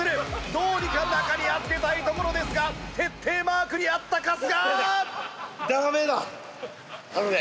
どうにか中に預けたいところですが徹底マークにあった春日！